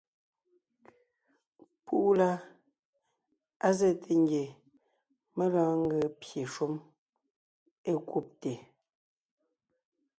Púʼu la, á zɛ́te ngie mé lɔɔn ńgee pye shúm é kúbte.